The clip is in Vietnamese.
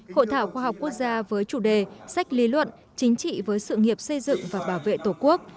hội thảo khoa học quốc gia với chủ đề sách lý luận chính trị với sự nghiệp xây dựng và bảo vệ tổ quốc